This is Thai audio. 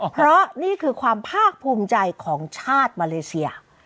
เพราะนี่คือความภาคภูมิใจของชาติมาเลเซีย